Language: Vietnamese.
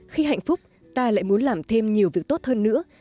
khi hạnh phúc ta lại muốn làm thêm nhiều việc tốt hơn nữa